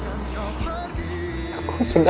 aku sudah lelah berpikirnya